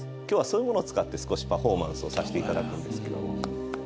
今日はそういうものを使って少しパフォーマンスをさして頂くんですけども。